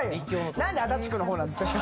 何で足立区の方なんですか。